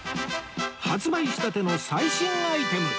発売したての最新アイテム！